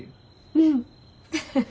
うん。